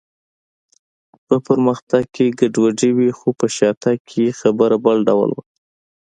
په پرمختګ کې ګډوډي وي، خو په شاتګ کې خبره بل ډول وه.